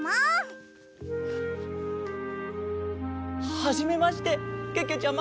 はじめましてけけちゃま。